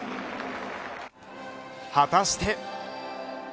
果たして。